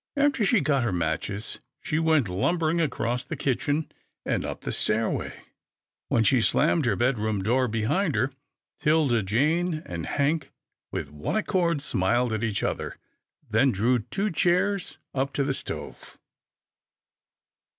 After she got her matches, she went lumbering across the kitchen, and up the stairway. When she slammed her bed room door behind her 'Tilda Jane and Hank, with one accord, smiled at each other, then drew two chairs up to the stove.